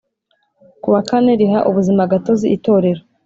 kuwa kane riha ubuzimagatozi Itorero